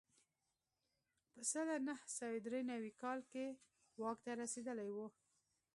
په سل نه سوه درې نوي کال کې واک ته رسېدلی و.